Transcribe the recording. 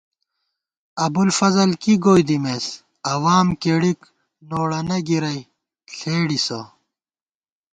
ابُو الفضل کی گوئی دِمېس اوام کېڑِک نوڑونہ گِرَئی ݪېڑِسہ